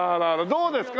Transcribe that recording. どうですか？